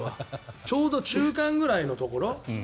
ちょうど中間ぐらいのところ。